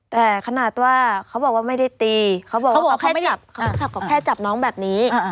แต่ขนาดว่าเขาบอกว่าไม่ได้ตีเขาบอกว่าเขาแค่จับน้องแบบนี้